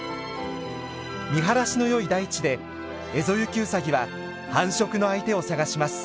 見晴らしのよい大地でエゾユキウサギは繁殖の相手を探します。